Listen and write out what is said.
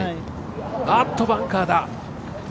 あっと、バンカーだ！